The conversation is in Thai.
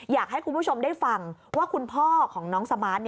อยากให้คุณผู้ชมได้ฟังว่าคุณพ่อของน้องสมาร์ท